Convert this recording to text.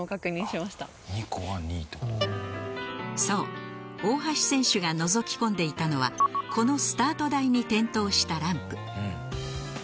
そう、大橋選手がのぞき込んでいたのはこのスタート台に点灯したランプ。